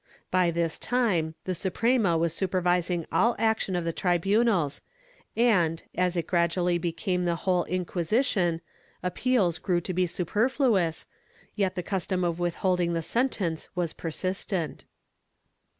^ By this time the Suprema was supervising all action of the tribunals and, as it gradually became the whole Inquisition, appeals grew to be superfluous, yet the custom of withholding the sentence was persistent.